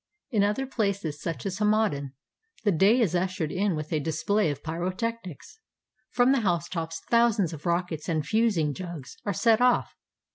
In other places, such as Hamadan, the day is ushered in with a display of p)n:o technics. From the housetops thousands of rockets and "fusing jugs" are set off.